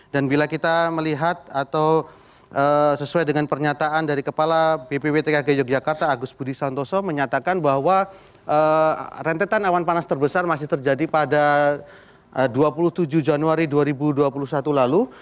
dan bila kita melihat atau sesuai dengan pernyataan dari kepala bbb tkg yogyakarta agus budi santoso menyatakan bahwa rentetan awan panas terbesar masih terjadi pada dua puluh tujuh januari dua ribu dua puluh satu lalu